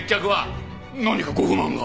何かご不満が？